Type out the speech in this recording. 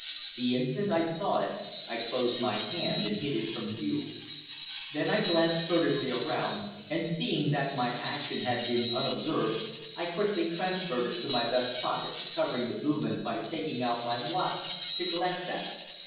The instant I saw it I closed my hand and hid it from view. Then I glanced furtively around, and seeing that my action had been unobserved I quickly transferred it to my vest pocket, covering the movement by taking out my watch to glance at it.